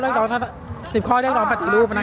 อย่างที่บอกไปว่าเรายังยึดในเรื่องของข้อเรียกร้อง๓ข้อ